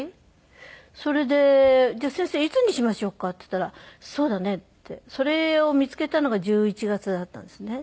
それで「じゃあ先生いつにしましょうか？」って言ったら「そうだね」って。それを見つけたのが１１月だったんですね。